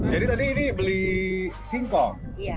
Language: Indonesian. jadi tadi ini beli singkong